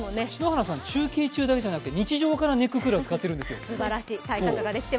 篠原さん、中継中だけでなくて日頃からネッククーラーを使ってます。